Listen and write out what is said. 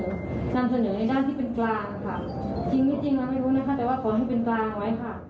นำเสนอในด้านที่เป็นกลางค่ะจริงไม่จริงเราไม่รู้นะคะแต่ว่าขอให้เป็นกลางไว้ค่ะ